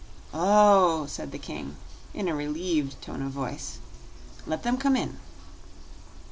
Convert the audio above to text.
"Oh," said the King, in a relieved tone of voice. "Let them come in."